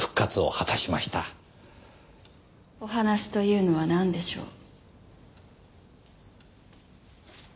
お話というのはなんでしょう？